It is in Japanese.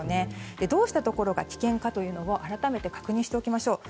どういうところが危険か改めて確認しておきましょう。